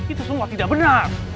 itu semua tidak benar